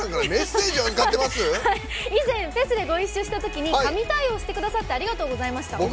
以前、フェスでご一緒したときに神対応してくださってありがとうございました。